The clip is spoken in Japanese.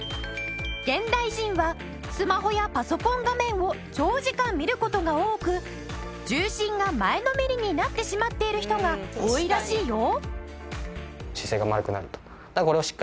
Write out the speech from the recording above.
現代人はスマホやパソコン画面を長時間見る事が多く重心が前のめりになってしまっている人が多いらしいよ。